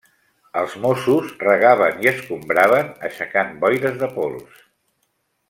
Els mossos regaven i escombraven, aixecant boires de pols.